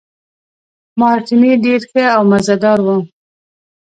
مارټیني ډېر ښه او مزه دار وو.